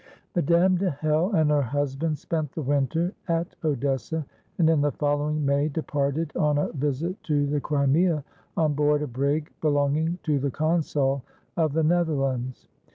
Madame de Hell and her husband spent the winter at Odessa; and in the following May departed on a visit to the Crimea, on board a brig belonging to the consul of the Netherlands.